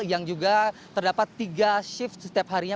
yang juga terdapat tiga shift setiap harinya